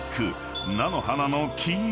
［菜の花の黄色。